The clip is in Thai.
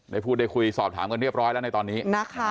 ได้พูดได้คุยสอบถามกันเรียบร้อยแล้วในตอนนี้นะคะ